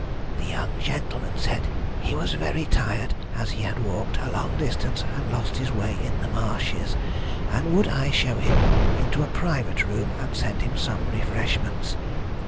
The young gentleman said he was very tired, as he had walked a long distance and lost his way in the marshes, and would I show him into a private room and send him some refreshments.